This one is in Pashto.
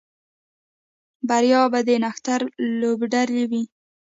بریا به د نښتر لوبډلې وي